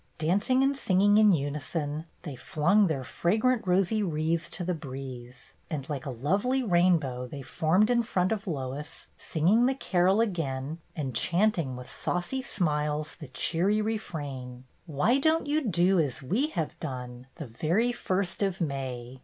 Dancing and singing in unison, they flung their fragrant rosy wreathes to the breeze, and like a lovely rainbow they formed in front of Lois, singing the carol again, and chanting with saucy smiles the cheery refrain :" Why don't you do as we have done, The very first of May